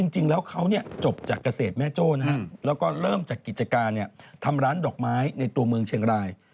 จริงแล้วเขาจบจากเกษตรแม่โจ้นะฮะแล้วก็เริ่มจากกิจการทำร้านดอกไม้ในตัวเมืองเชียงราย